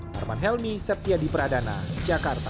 herman helmy septiadi pradana jakarta